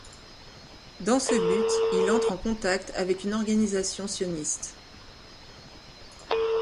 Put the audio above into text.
Dans ce but, il entre en contact avec une organisation sioniste.